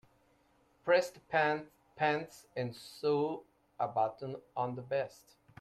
Press the pants and sew a button on the vest.